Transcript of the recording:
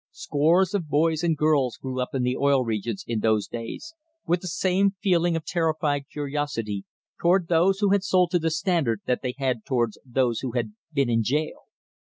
Scores of boys and girls grew up in the Oil Regions in those days with the same feeling of terrified curiosity toward those who had "sold to the Standard" that they had toward those who had "been in jail."